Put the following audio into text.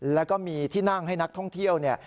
แล้วก็มีที่นั่งให้นักท่องเที่ยวเนี่ย